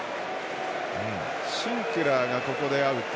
シンクラーが、ここでアウト。